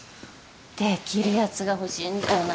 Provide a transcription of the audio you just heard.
できるやつが欲しいんだよな。